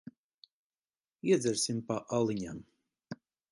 Iedzersim pa aliņam.